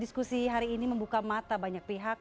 diskusi hari ini membuka mata banyak pihak